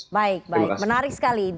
baik menarik sekali